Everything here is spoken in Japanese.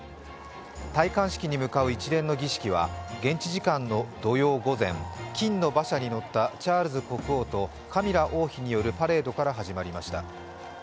戴冠式に向かう一連の儀式は現地時間の土曜午前、金の馬車に乗ったチャールズ国王とカミラ王妃によるパレードから始まりました。